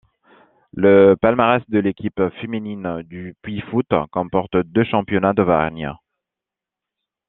Le palmarès de l'équipe féminine du Puy Foot comporte deux championnats d'Auvergne.